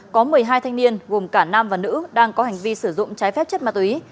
có một mươi hai thanh niên gồm cả nam và nữ đang có hành vi sử dụng trái phép chất ma túy